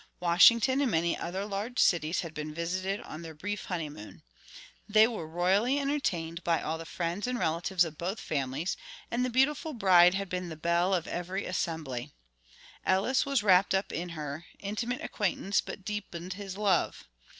Washington and many other large cities had been visited on their brief honeymoon. They were royally entertained by all the friends and relatives of both families, and the beautiful bride had been the belle of every assembly. Ellis was wrapped up in her; intimate acquaintance but deepened his love.